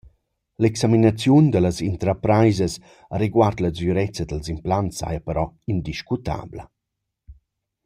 L’examinaziun da las intrapraisas areguard la sgürezza dals implants saja però indiscutabla.